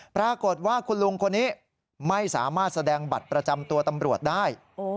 ปรากฏว่าคุณลุงคนนี้ไม่สามารถแสดงบัตรประจำตัวตำรวจได้